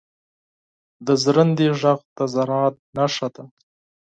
• د ژرندې ږغ د زراعت نښه ده.